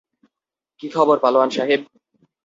কী খবর, পালোয়ান সাহেব?